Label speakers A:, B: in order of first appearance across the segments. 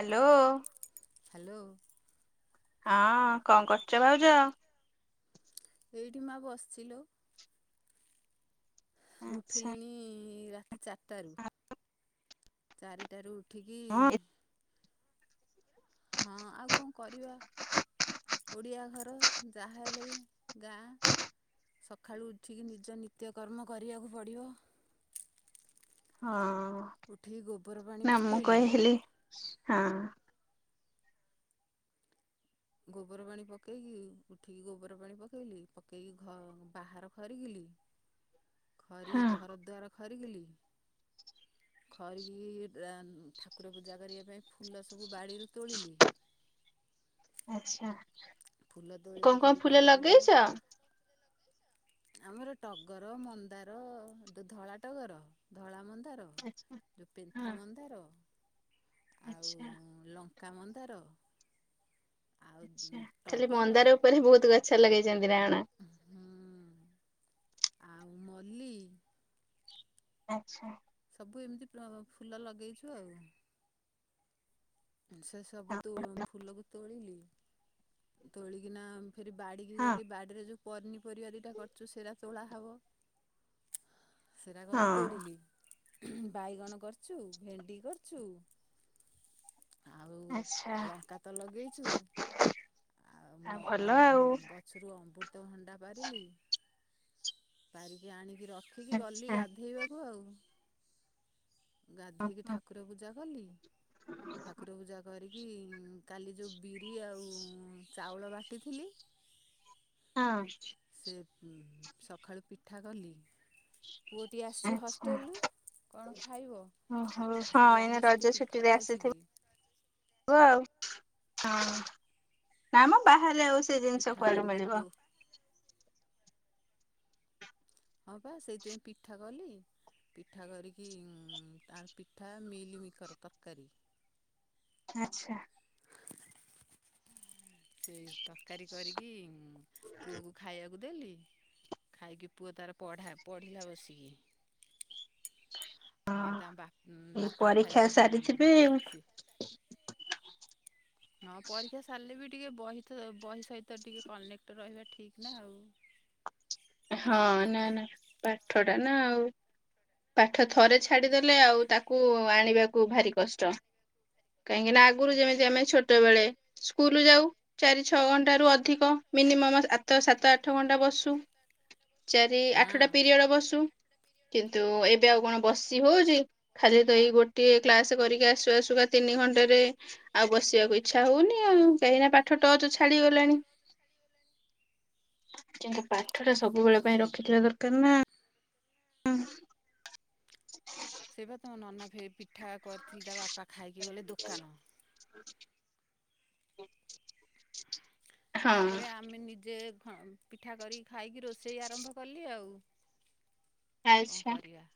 A: Hello.
B: Hello.
A: ହଁ କଁ କରୁଚ ଭାଉଜ?
B: ଏଇଠି ମା ବସଚି ଲୋ।
A: ଆଛା
B: ଉଠିଲିଣି ରାତି ଚାରଟାରୁ। ଚାରିଟାରୁ ଉଠିକି
A: ହଁ
B: ହଁ ଆଉ କଁ କରିବା? ଓଡ଼ିଆ ଘର ଯାହେଲେ ଗାଁ। ସଖାଳୁ ଉଠିକି ନିଜ ନିତ୍ୟକର୍ମ କରିବାକୁ ପଡ଼ିବ।
A: ହଁ
B: ଉଠିକି ଗୋବରପାଣି
A: ନା ମୁଁ
B: ପକେଇଲି।
A: କହିଲି ହଁ।
B: ଗୋବର ପାଣି ପକେଇକି ଉଠିକି ଗୋବର ପାଣି ପକେଇଲି ପକେଇକି ଖ ବାହାର ଖରିକିଲି।
A: ହଁ
B: ଖରିକି ଘର ଦ୍ୱାର ଖରିକିଲି। ଖରିକି ରା ଠାକୁର ପୂଜା କରିବା ପାଇଁ ଫୁଲ ସବୁ ବାଡ଼ିରୁ ତୋଳିଲି।
A: ଆଚ୍ଛା।
B: ଫୁଲ ତୋଳିକି ଫେରି କଣ କଲି ନା ଆମର ଟଗର ମନ୍ଦାର ଗୋଟେ ଧଳା ଟଗର ଧଳା ମନ୍ଦାର
A: ଆଛା
B: ଗୋଟେ
A: ହଁ
B: ପେନ୍ଥା ମନ୍ଦାର ଆଉ
A: ଆଛା
B: ଲଙ୍କା ମନ୍ଦାର। ଆଉ
A: ଖାଲି
B: ଟଗର
A: ମନ୍ଦାର ଉପରେ ବହୁତ ଗଛ ଲଗେଇଛନ୍ତି ନା କଣ?
B: ହୁଁ ଆଉ ମଲ୍ଲି
A: ଆଚ୍ଛା।
B: ସବୁ ଏମିତି ବ୍ଳ ଫୁଲ ଲଗେଇଛୁ ଆଉ। ସେ ସବୁ
A: ହଁ
B: ତୁ ଫୁଲକୁ ତୋଳିଲି। ତୋଳିକିନା ଫିରି ବାଡିକି
A: ହଁ
B: ଗଲି ବାଡିରେ ଯୋଉ ପନିପରିବା ଦୁଇଟା କରିଛୁ ସେରା ତୋଳା ହେବ, ସେରା ଗଲି
A: ହଁ
B: ତୋଳିଲି। ବାଇଗଣ କରିଚୁ, ଭେଣ୍ଡି କରିଚୁ ଆଉ
A: ଆଛା
B: ଲଙ୍କା ତ ଲଗେଇଚୁ ଆଉ
A: ଭଲ
B: ମ-ଆମ୍ବୁ-ଗ
A: ଆଉ
B: ଗଛରୁ ଅମୃତ ଭଣ୍ଡା ପାରିଲି ପାରିକି ଆଣିକି ରଖିକି ଗଲି ଗା
A: ଆଛା
B: ଗାଧେଇବାକୁ ଆଉ। ଗାଧୋଇକି
A: ହଁ
B: ଠାକୁର ପୂଜା କଲି, ଠାକୁର ପୂଜା କରିକି କି କାଲି ଯୋଉ ବିରି ଆଉ ଚାଉଳ ବାଟିଥିଲି
A: ହଁ।
B: ସେ ସଖାଳୁ ପିଠା କଲି। ପୁଅଟିି ଆସିଚି
A: ଆଛା
B: ହଷ୍ଟେଲରୁ କଣ ଖା ଖାଇବ
A: ଓହୋ
B: ସେ
A: ହଁ ଏଇନା
B: ଯାହେଲେ
A: ରଜ
B: ସେଠି ପିଠା
A: ଛୁଟିରେ
B: ପାଉଚି କି?
A: ଆସିଥିବ [unintelligible] ଆଉ ହଁ ନାଁମ ବାହାରେ ଆଉ ସେ ଜିନିଷ
B: ପିଠା
A: କୁଆଡୁ
B: କରିକି
A: ମିଳିବ।
B: ପୁଅ ହଁ ବା ସେଇଥିପାଇଁ ପିଠା କଲି। ପିଠା କରିକି ତାର ପିଠା ମିଲମିକର ତରକାରୀ।
A: ଆଚ୍ଛା।
B: ସେଇ ତକାରୀ କରିକି ପୁଅକୁ ଖାଇବାକୁ ଦେଲି ଖାଇକି ପୁଅ ତାର ପଢା ପଢ଼ିଲା ବସିକି।
A: ହଁ।
B: ଆଉ ତା ବା ବାପା
A: ପରୀକ୍ଷା
B: ଖାଇକି ଉଁ
A: ସାରିଥିବେ ଆଉ।
B: ହଁ ପରୀକ୍ଷା ସାରିଲେ ବି ଟିକେ ବହିତ ବହି ସହିତ ଟିକେ କନେକ୍ଟ ରହିବା ଠିକ୍ ନା ଆଉ।
A: ଏ-ହଁ-ନା-ନା ପାଠଟା ନା ଆଉ। ପାଠ ଥରେ ଛାଡିଦେଲେ ଆଉ ତାକୁ ଆଣିବାକୁ ଭାରି କଷ୍ଟ। କାହିଁକିନା ଆଗରୁ ଯେମିତି ଆମେ ଛୋଟବେଳେ ସ୍କୁଲ ଯାଉ ଚାରି ଛଅ ଘଣ୍ଟାରୁ ଅଧିକ ମିନିମମ୍ ଆତ ସାତ ଆଠ ଘଣ୍ଟା ବସୁ। ଚାରି ଆଠଟା
B: ହଁ
A: ପିରିୟଡ଼ ବସୁ। କିନ୍ତୁ ଏବେ ଆଉ କଣ ବସି ହଉଚି ଖାଲି ତ ଏଇ ଗୋଟିଏ କ୍ଲାସ କରିକି ଆସୁ ଆସୁକା ତିନି ଘଣ୍ଟାରେ ଆଉ ବସିବାକୁ ଇଚ୍ଛା ହଉନି ଆଉ କାହିଁକିନା ପାଠ ଟଚ ଛାଡିଗଲାଣି। କିନ୍ତୁ ପାଠ ଟା ସବୁବେଳେ ପାଇଁ
B: ସେ
A: ରଖିଥିବା ଦରକାର ନା। ହଁ।
B: ସେ ବା ତମ ନନା ଫେ ପିଠା କରିଥିଲି ତା ବାପା ଖାଇକି ଗଲେ ଦୋକାନ।
A: [inaudible] ହଁ
B: ତାପରେ ଆମେ ନିଜେ ଖ ପିଠା କରିକି ଖାଇକି ରୋଷେଇ ଆରମ୍ଭ କଲି ଆଉ କଣ
A: ଆଚ୍ଛା।
B: କରିବା।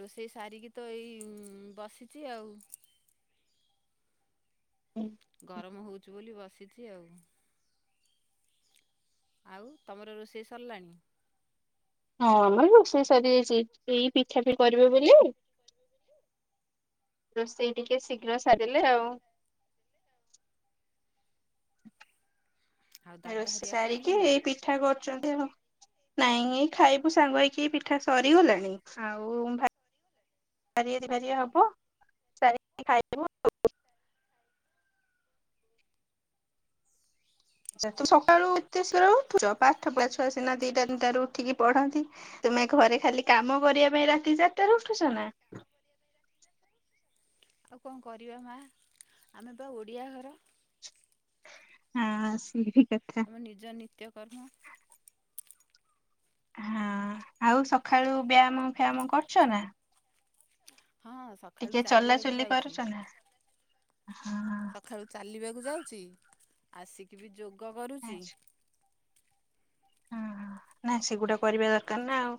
B: ରୋଷେଇ ସାରିକି ତ ଏଇ ଉଁ- ବସିଚି ଆଉ। ଗରମ ହଉଚି ବୋଲି ବସିଚି ଆଉ। ଆଉ ତମର ରୋଷେଇ ସରିଲାଣି?
A: ହଁ ଆମର ରୋଷେଇ ସରିଯାଇଚି ଏଇ ପିଠା ପି- କରିବେ ବୋଲି ରୋଷେଇ ଟିକେ ଶୀଘ୍ର ସାରିଲେ ଆଉ
B: ଆଉ ଦାଦା
A: ରୋଷେଇ
B: ହେରିଆ
A: ସାରିକି
B: ଖାଇଲେନି ନା
A: ଏଇ ପିଠା କରୁଚନ୍ତି ଆଉ। ନାଇଁ ଖାଇବୁ ସାଙ୍ଗ ହେଇକି ପିଠା ସରିଗଲାଣି ଆଉ ଭା ଭାରିଏ ଦି ଭାରିଏ ହବ [inaudible] ଖାଇଦବୁ। ତ ସକାଳୁ ଏତେ [unintelligible] ଉଠୁଚ ପାଠ ପଢା ଛୁଆ ସିନା ଦିଟା ତିନିଟାରୁ ଉଠିକି ପଢନ୍ତି ତୁମେ ଘରେ ଖାଲି କାମ କରିବା ପାଇଁ ରାତି ଚାରିଟା ର ଉଠୁଚ ନା?
B: ଆଉ କଣ କରିବା ମା ଆମେ ପା ଓଡ଼ିଆ ଘର
A: ହଁ ସିଏ ଠିକ୍ କଥା।
B: ଆମ ନିଜ ନିତ୍ୟକର୍ମ
A: ହଁ ଆଉ ସଖାଳୁ ବ୍ୟାୟାମ ଫ୍ୟାୟାମ କରୁଚ ନା?
B: ହଁ ସ
A: ଟିକେ ଚଲାଚୁଲି କରୁଚ ନା?
B: ସଖାଳୁ ଚାଲିବାକୁ ଯାଉଚି ଆସିକି ବି ଯୋଗ କରୁଚି
A: ଆଚ୍ଛା। ହଁ- ନା ସେଗୁଡା କରିବା ଦରକାର ନା ଆଉ।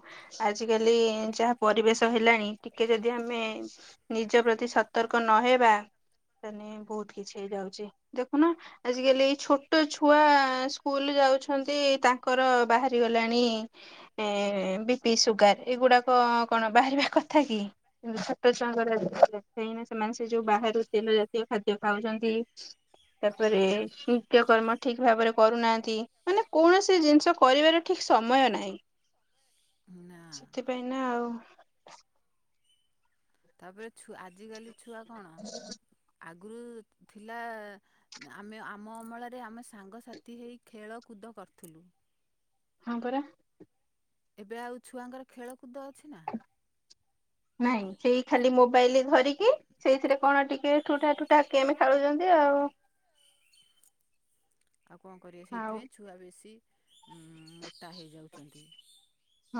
A: ଆଜିକାଲି ଯାହା ପରିବେଶ ହେଲାଣି ଟିକେ ଯଦି ଆମେ ନିଜ ପ୍ରତି ସତର୍କ ନହବା ମାନେ ବହୁତ୍ କିଛି ହେଇଯାଉଚି। ଦେଖୁନ ଆଜିକାଲି ଏଇ ଛୋଟ ଛୁଆ ସ୍କୁଲୁ ଯାଉଛନ୍ତି ତାଙ୍କ୍ ତାଙ୍କର ବାହାରି ଗଲାଣି ଏଁ ବିପି ସୁଗାର୍ ଏଗୁଡ଼ାକ କଣ ବାହାରିବା କଥା କି? ଛୋଟ ଛୁଆଙ୍କ ର କାହିଁକି ନା ସେମାନେ ସେ ଯଉ ବାହାରୁ ତେଲ ଜାତୀୟ ଖାଦ୍ୟ ଖାଉଚନ୍ତି ତାପରେ ନିତ୍ୟକର୍ମ ଠିକ୍ ଭାବେରେ କରୁନାହାନ୍ତି ମାନେ କୌଣସି ସି ଜିନିଷ କରିବାର ଠିକ୍ ସମୟ ନାହିଁ
B: ନା
A: ସେଥିପାଇଁ ନା ଆଉ।
B: ତାପରେ ଛୁ- ଆଜିକାଲି ଛୁଆ କଣ ଆଗୁରୁ ଥିଲା ଆମେ ଆମ ଅମଳରେ ଆମେ ସାଙ୍ଗସାଥି ହେଇ ଖେଳକୁଦ କରୁଥିଲୁ
A: ହଁ ପରା।
B: ଏବେ ଆଉ ଛୁଆଙ୍କର ଖେଳକୁଦ ଅଛି ନା।
A: ନାଇଁ ସେଇ ଖାଲି ମୋବାଇଲି ଧରିକି ସେଇଥିରେ କଣ ଟିକେ ଠୁଟା ଠୁଠା ଗେମେ ଖେଳୁଚନ୍ତି ଆଉ।
B: ଆଉ କଣ କରିବେ
A: ଆଉ
B: ସେଇଥିପାଇଁ ଛୁଆ ବେଶୀ ମୋଟା ହେଇ ଯାଉଚନ୍ତି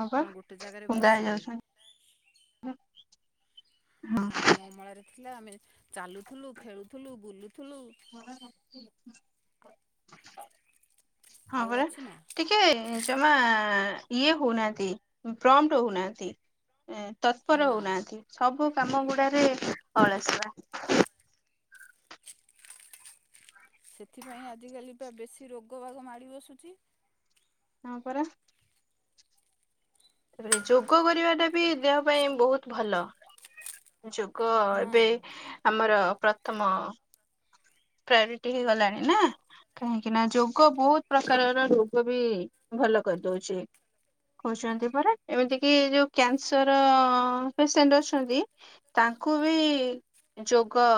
A: ହଁ ପା
B: ଗୋଟେ ଜାଗାରେ
A: କୁନ୍ଦା
B: ବସିଲେ
A: ହେଇଯାଉଛନ୍ତି
B: ଆମ ଅମଳରେ ଥିଲା ଆମେ ଚାଲୁଥୁଲୁ, ଖେଳୁଥୁଲୁ, ବୁଲୁଥୁଲୁ
A: ହଁ
B: ଆଉ
A: ପରା।
B: ଅଛି ନା
A: ଟିକେ ଜମା ଇଏ ହଉନାହାନ୍ତି ପ୍ରମ୍ଟ ହଉନାହାନ୍ତି। ତତ୍ପର
B: ନା
A: ହଉନାହାନ୍ତି ସବୁ କାମ ଗୁଡାରେ ଅଳସୁଆ।
B: ସେଥିପାଇଁ ଆଜିକାଲି ପା ବେଶୀ ରୋଗ ବାଗ ମାଡି ବସୁଚି।
A: ହଁ ପରା। ରେ ଯୋଗ କରିବାଟା ବି ଦେହ ପାଇଁ ବହୁତ୍ ଭଲ। ଯୋଗ
B: ହଁ
A: ଏବେ ଆମର ପ୍ରଥମ ପ୍ରାୟୋରିଟି ହେଇଗଲାଣି ନା। କାହିଁକି ନା ଯୋଗ ବହୁତ ପ୍ରକାରର ରୋଗ ବି ଭଲ କରି ଦଉଚି। କହୁଛନ୍ତି ପରା ଏମିତି କି ଯୋଉ କ୍ୟାନସର ପେସେଣ୍ଟ ଅଛନ୍ତି। ତାଙ୍କୁ ବି ଯୋଗ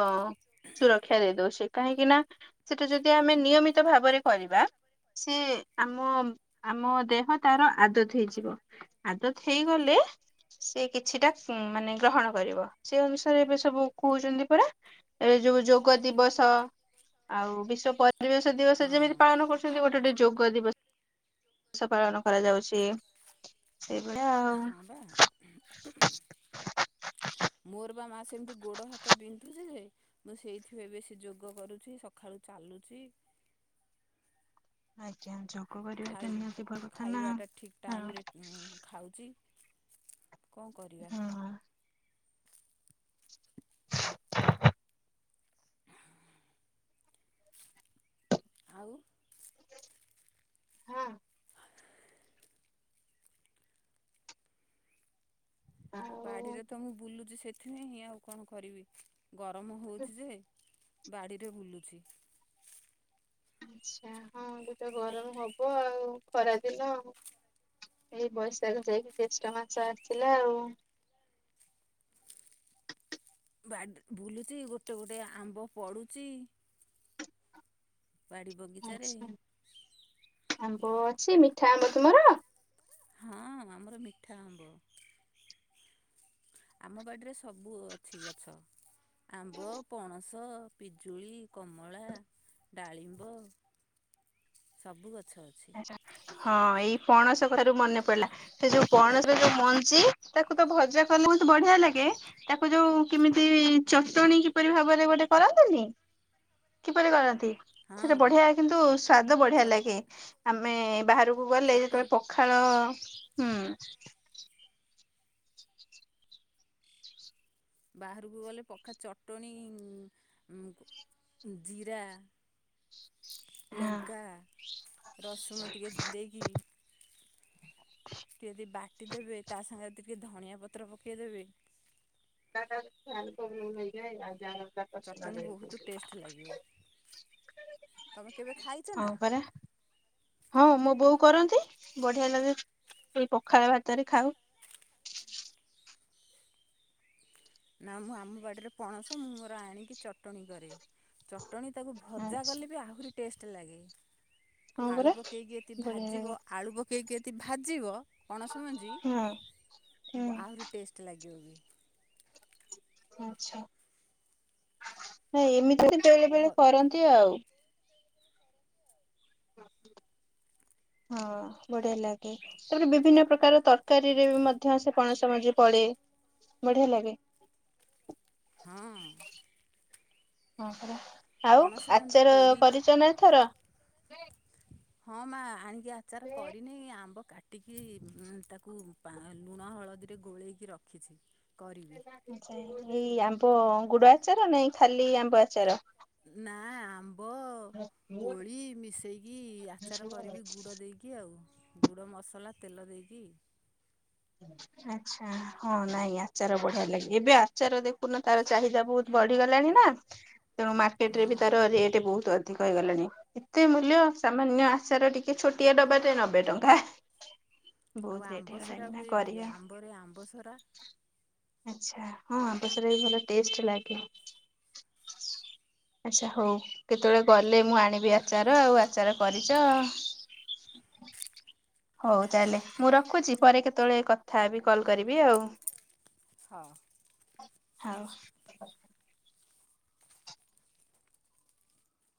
A: ସୁରକ୍ଷା ଦେଇ ଦଉଚି କାହିଁକି ନା ସେଟା ଯଦି ଆମେ ନିୟମିତ ଭାବରେ କରିବା। ସିଏ ଆମ ଆମ ଦେହ ତାର ଆଦତ ହେଇଯିବ। ଆଦତ ହେଇଗଲେ ସେ କିଛିଟା ହୁଁ ମାନେ ଗ୍ରହଣ କରିବ ସେ ଅନୁସାରେ ଏବେ ସବୁ କହୁଛନ୍ତି ପରା। ଏ ଯୋଉ ଯୋଗ ଦିବସ। ଆଉ ବିଶ୍ଵ ପରିବେଶ ଦିବସ
B: ହଁ
A: ଯେମିତି ପାଳନ କରୁଛନ୍ତି ଗୋଟେ ଟେ ଯୋଗ ଦିବ ଷ ପାଳନ କରାଯାଉଛି। ସେଇଭଳିଆ ଆଉ।
B: ହଁ ବା। ମୋର ବା ମା ସେମିତି ଗୋଡ ହାତ ବିନ୍ଧୁଛି ଯେ ମୁଁ ସେଇଥିପାଇ ବେଶୀ ଯୋଗ କରୁଚି ସଖାଳୁ ଚାଲୁଚି।
A: ଆଜ୍ଞା ଯୋ
B: ଖାଇ ଖାଇବାଟା ଠିକ୍
A: ଆଉ
B: ଟାଇମରେ ଖାଉଚି। କଣ କରିବା।
A: ହଁ।
B: ଆଉ।
A: ହଁ। [inaudible]
B: ବାଡ଼ିରେ ତ ମୁଁ ବୁଲୁଛି ସେଥିପାଇଁ ଆଉ କଣ କରିବି ଗରମ ହଉଛି ଯେ ବାଡ଼ିରେ ବୁଲୁଛି।
A: ଆଚ୍ଛା ହଁ [unintelligible] ଗରମ ହବ ଆଉ ଖରା ଦିନ ଆଉ। ଏଇ ବୈଶାଖ ଯାଇକି ଜ୍ୟେଷ୍ଠ ମାସ ଆସିଲା ଆଉ।
B: ବା ବୁଲୁଚି ଗୋଟେ ଗୋଟେ ଆମ୍ବ ପଡ଼ୁଚି। ବାଡ଼ି ବଗିଚାରେ।
A: ଆଚ୍ଛା ଆମ୍ବ ଅଛି ମିଠା ଆମ୍ବ ତୁମର।
B: ହଁ ଆମର ମିଠା ଆମ୍ବ। ଆମ ବାଡ଼ିରେ ସବୁ ଅଛି ଗଛ। ଆମ୍ବ, ପଣସ, ପିଜୁଳି, କମଳା। ଡାଳିମ୍ବ ସବୁ ଗଛ ଅଛି।
A: ହଁ ଏଇ ପଣସ କଥାରୁ ମନେ ପଇଲା। ସେ ଯୋଉ ପଣସରେ ଯୋଉ ମଞ୍ଜି ତାକୁ ତ ଭଜା କଲେ ବହୁତ ମତେ ବଢିଆ ଲାଗେ। ତାକୁ ଯୋଉ କେମିତି ଚଟଣି କିପରି ଭାବରେ ଗୋଟେ କରନ୍ତିନି। କିପରି କରନ୍ତି? ସେଟା
B: ହଁ
A: ବଢିଆ କିନ୍ତୁ ସ୍ଵାଦ ବଢିଆ
B: ଚ
A: ଲାଗେ ଆମେ ବାହାରକୁ ଗଲେ
B: ଚଟଣି
A: ଯେତେବେଳେ ପ ଖାଳ ହୁଁ।
B: ବାହାରକୁ ଗଲେ ପଖା ଚଟଣୀ ଉଁ ଜୀରା। ଲଙ୍କା ରସୁଣ ଟିକିଏ ଦେଇକି। କେ ଦି ବାଟି ଦେବେ ତା ସାଙ୍ଗେରେ ଟିକେ ଧଣିଆ ପତ୍ର ପକେଇଦେବେ।
A: [unintelligible]
B: ଚଟଣି ବହୁତ ଟେଷ୍ଟେ ଲାଗିବ ତମେ କେବେ ଖାଇଚ
A: ହଁ
B: ନା?
A: ପରା ହଁ ମୋ ବୋଉ କରନ୍ତି ବଢିଆ ଲାଗେ ଏଇ ପଖାଳ ଭାତରେ ଖାଉ।
B: ନାଁ ମୁଁ ଆମ ବାଡିରେ ପଣସ ମୁଁ ମୋର ଆଣିକି ଚଟଣି କରେ। ଚଟଣି ତାକୁ ଭଜା
A: ଆଚ୍ଛା
B: କଲେ ବି ଆହୁରି ଟେଷ୍ଟେ ଲାଗେ।
A: ହଁ
B: ଆଳୁ
A: ପରା
B: ପକେଇକି ଏତିି
A: ବଢିଆ ଲାଗେ
B: ଭାଜିବ ଆଳୁ ପକେଇକି ଏତିି ଭାଜିବ ପଣସ ମଞ୍ଜି
A: ହଁ ହୁଁ
B: ବ ଆହୁରି ଟେଷ୍ଟେ ଲାଗିବ।
A: ଆଚ୍ଛା ହେ ଏମିତି ତ ବେଳେ ବେଳେ କରନ୍ତି ଆଉଁ।
B: [unintelligible]
A: ହଁ ବଢିଆ ଲାଗେ। ତାପରେ ବିଭିନ୍ନ ପ୍ରକାର ତରକାରୀ ରେ ବି ମଧ୍ୟ ସେ ପଣସ ମଞ୍ଜି ପଡେ ବଢିଆ ଲାଗେ।
B: ହଁ।
A: ହଁ ପରା ଆଉ
B: ପଣସ ମଞ୍ଜି
A: ଆଚାର
B: ପୋଡ଼ି
A: କରିଛ ନାଁ ଏଥର।
B: ହଁ ମା ଆଣିକି ଆଚାର କରିନି ଆମ୍ବ କାଟ କାଟିକି ତାକୁ ଲୁଣ ହଳଦୀରେ ଗୋଳେଇକି ରଖିଛି କରିବି।
A: ଖାଲି ଆଚାର ଏଇ ଆମ୍ବ ଗୁଡ ଆଚାର ନାଇଁ ଖାଲି ଆମ୍ବ ଆଚାର।
B: ନାଁ ଆମ୍ବ କୋଳି ମିଶେଇକି ଆଚାର କରିବି ଗୁଡ ଦେଇକି। କି ଆଉଁ ଗୁଡ ମସଲା ତେଲ ଦେଇକି।
A: ଆଚ୍ଛା। ହଁ ନାଇଁ ଆଚାର ବଢିଆ ଲାଗେ ଏବେ ଆଚାର ଦେଖୁନ ତାର ଚାହିଦା ବହୁତ ବଢିଗଲାଣି ନାଁ। ତ ମାର୍କେଟ ରେ
B: ହଁ
A: ବି ତାର ରେଟ୍ ବହୁତ ଅଧିକ। କ ହେଇଗଲାଣି ଏତେ ମୂଲ୍ୟ ସାମାନ୍ୟ ଆଚାର ଟିକେ ଛୋଟିଆ ଡବାଟେ ନବେ ଟଙ୍କା। ବହୁତ
B: ଆଉ
A: ରେଟ୍
B: ଆମ୍ବ
A: ହେଇଗଲାଣି
B: ସରା
A: ନା
B: ହୁଏ ବି
A: କରିବା
B: ଆମ୍ବରେ ଆମ୍ବ ସରା।
A: ଆଚ୍ଛା ହଁ ଆମ୍ବ ସରା ବି ଭଲ ଟେଷ୍ଟେ ଲାଗେ।
B: [unintelligible]
A: ଆଚ୍ଛା ହଉ କେତେବେଳେ ଗଲେ ମୁଁ ଆଣିବି ଆଚାର ଆଉଁ ଆଚାର କରିଛ।
B: [unintelligible]
A: ହଉ ତାହଲେ ମୁଁ ରଖୁଛି ପରେ କେତେ କେତେବେଳେ କଥା ହେବି କଲ୍ କରିବି ଆଉଁ।
B: ହଁ।
A: ଥାଉଁ।